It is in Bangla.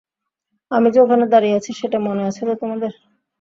আমি যে এখানে দাঁড়িয়ে আছি, সেটা মনে আছে তো তোমাদের?